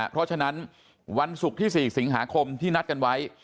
เพราะฉะนั้นวันศุกร์ที่๔สิงหาคมที่นัดกันไว้